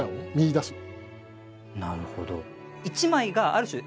なるほど。